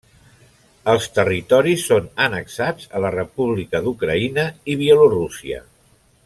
Els territoris són annexats a la república d'Ucraïna i Bielorússia.